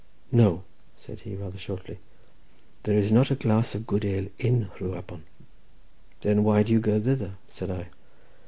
"No," said he, rather shortly, "there's not a glass of good ale in Rhiwabon." "Then why do you go thither?" said I.